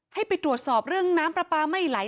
ให้ไปตรวจสอบเรื่องน้ำปลาปลาไม่ไหล